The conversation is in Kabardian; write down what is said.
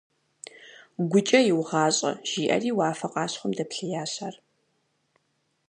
ГукӀэ «иугъащӀэ» жиӀэри уафэ къащхъуэм дэплъеящ ар.